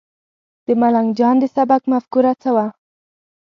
د ملنګ جان د سبک مفکوره څه وه؟